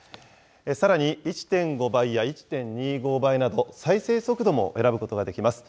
さらに、１．５倍や１．２５倍など、再生速度も選ぶことができます。